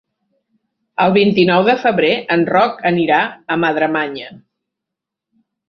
El vint-i-nou de febrer en Roc anirà a Madremanya.